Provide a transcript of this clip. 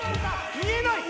見えない！